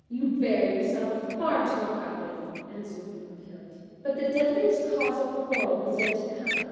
"You bear yourself far too proudly," answered Brunhild. But the deadliest cause of quarrel was yet to come.